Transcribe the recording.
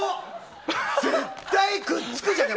絶対くっつくじゃない。